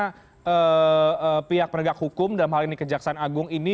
karena pihak penegak hukum dalam hal ini kejaksaan agung ini